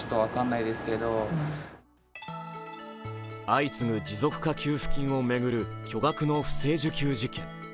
相次ぐ持続化給付金を巡る巨額の不正受給事件。